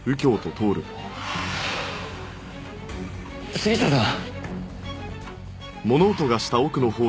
杉下さん。